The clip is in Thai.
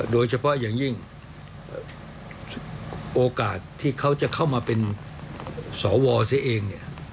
โดยเฉพาะอย่างยิ่งโอกาสที่เขาจะเข้ามาเป็นสวเสียเองเนี่ย